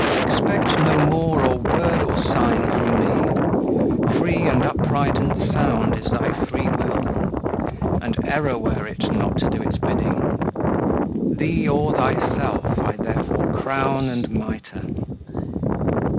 Expect no more or word or sign from me; Free and upright and sound is thy free will, And error were it not to do its bidding; Thee o'er thyself I therefore crown and mitre!"